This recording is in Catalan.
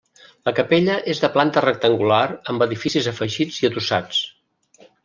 La capella és de planta rectangular amb edificis afegits i adossats.